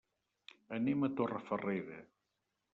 Anem a Torrefarrera.